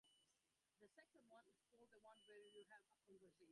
তিনি উত্তর সুমাত্রায় নিয়ন্ত্রণ সুসংহত করেন।